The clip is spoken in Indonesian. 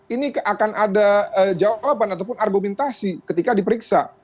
ini akan ada jawaban ataupun argumentasi ketika diperiksa